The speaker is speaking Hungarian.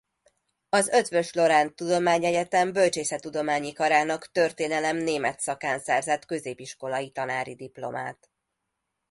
Az Eötvös Loránd Tudományegyetem Bölcsészettudományi Karának történelem-német szakán szerzett középiskolai tanári diplomát.